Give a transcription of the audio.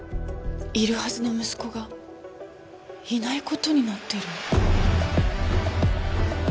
いるはずの息子がいない事になってる？